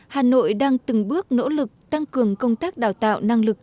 hà nội đang từng bước nỗ lực tăng cường công tác đào tạo năng lực